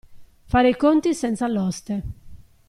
Fare i conti senza l'oste.